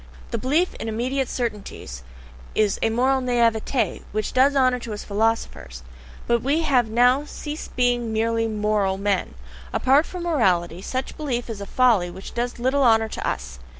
The belief in "immediate certainties" is a MORAL NAIVETE which does honour to us philosophers; but we have now to cease being "MERELY moral" men! Apart from morality, such belief is a folly which does little honour to us!